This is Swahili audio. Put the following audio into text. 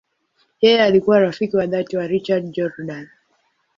Yeye alikuwa rafiki wa dhati wa Richard Jordan.